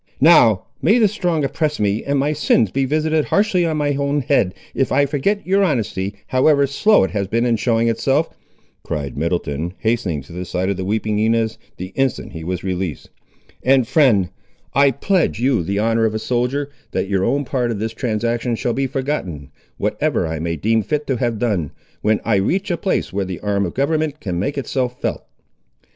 "Now, may the strong oppress me, and my sins be visited harshly on my own head, if I forget your honesty, however slow it has been in showing itself," cried Middleton, hastening to the side of the weeping Inez, the instant he was released; "and, friend, I pledge you the honour of a soldier, that your own part of this transaction shall be forgotten, whatever I may deem fit to have done, when I reach a place where the arm of government can make itself felt."